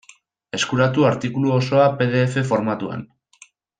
Eskuratu artikulu osoa pe de efe formatuan.